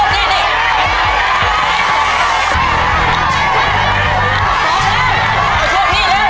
นี่ลูกนี้ดิ